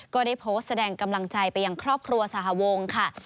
ก็ได้โพสต์แสดงกำลังใจไปยังครอบครัวสหวงค่ะ